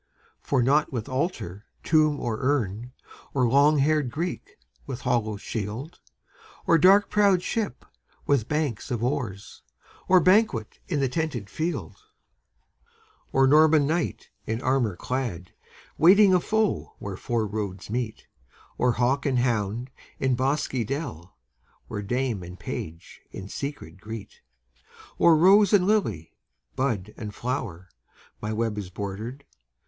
For not with altar, tomb, or urn, Or long haired Greek with hollow shield, Or dark prowed ship with banks of oars, Or banquet in the tented field; Or Norman knight in armor clad, Waiting a foe where four roads meet; Or hawk and hound in bosky dell, Where dame and page in secret greet; Or rose and lily, bud and flower, My web is broidered.